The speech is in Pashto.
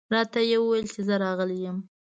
راته یې وویل چې زه راغلی یم.